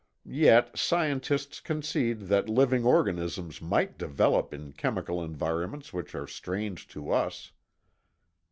Yet, scientists concede that living organisms might develop in chemical environments which are strange to us.